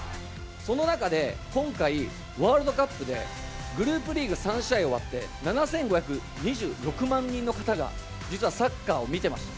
その中で、今回、ワールドカップでグループリーグ３試合終わって、７５２６万人の方が、実はサッカーを見てました。